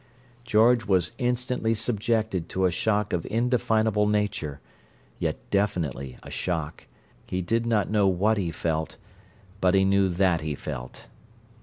George was instantly subjected to a shock of indefinable nature, yet definitely a shock: he did not know what he felt—but he knew that he felt.